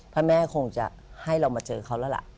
พระแม่คงจะให้เรามาเจอเขาแล้วล่ะ